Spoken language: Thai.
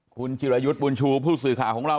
คุณจิรายุทธ์บุญชูผู้สื่อข่าวของเรา